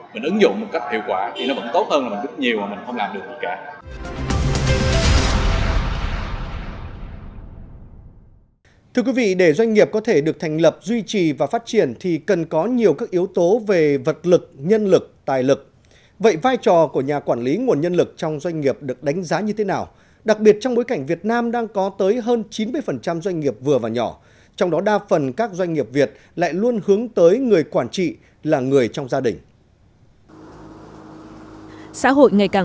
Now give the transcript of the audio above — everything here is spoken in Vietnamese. mình ứng dụng một cách hiệu quả thì nó vẫn tốt hơn là mình biết nhiều mà mình không làm được gì cả